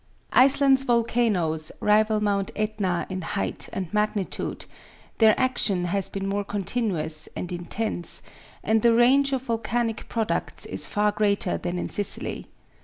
Iceland's volcanoes rival Mount Aetna in height and magnitude, their action has been more continuous and intense, and the range of volcanic products is far greater than in Sicily.